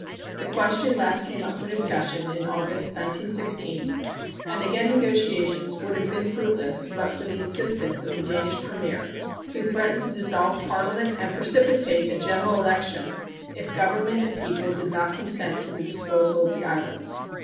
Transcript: The question last came up for discussion in August, 1916, and again negotiations would have been fruitless but for the insistence of the Danish premier, who threatened to dissolve parliament and participate a general election if Government and people did not consent to the disposal of the islands.